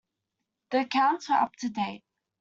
The accounts were up to date.